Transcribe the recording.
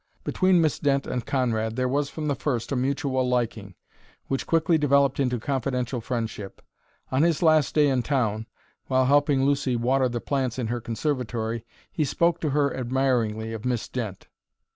Between Miss Dent and Conrad there was from the first a mutual liking, which quickly developed into confidential friendship. On his last day in town, while helping Lucy water the plants in her conservatory, he spoke to her admiringly of Miss Dent.